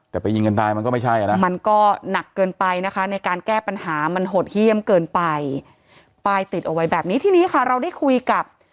แต่ไปยิงกันตายมันก็ไม่ใช่อ่ะนะมันก็หนักเกินไปนะคะในการแก้ปัญหามันหดเยี่ยมเกินไปป้ายติดเอาไว้แบบนี้ทีนี้ค่ะเราได้คุยกับ